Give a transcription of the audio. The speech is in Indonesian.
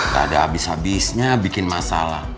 tadah abis abisnya bikin masalah